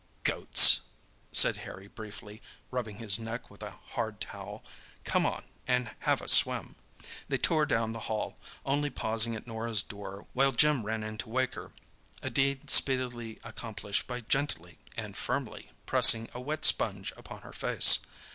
"Goats!" said Harry briefly, rubbing his neck with a hard towel. "Come on and have a swim." They tore down the hail, only pausing at Norah's door while Jim ran in to wake her—a deed speedily accomplished by gently and firmly pressing a wet sponge upon her face.